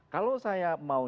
kalau saya mau